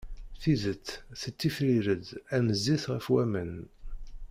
Tidet tettifrir-d am zzit ɣef waman.